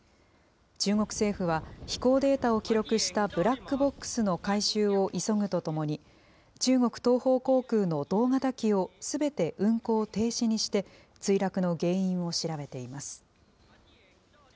中国政府は、飛行データを記録したブラックボックスの回収を急ぐとともに、中国東方航空の同型機をすべて運航停止にして、墜落の原因を調べ